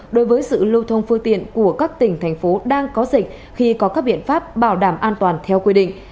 đối với sự lưu thông phương tiện của các tỉnh thành phố đang có dịch khi có các biện pháp bảo đảm an toàn theo quy định